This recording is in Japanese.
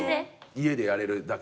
家でやれるだけ。